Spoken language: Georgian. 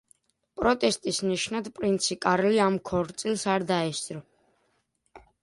პროტესტის ნიშნად, პრინცი კარლი ამ ქორწილს არ დაესწრო.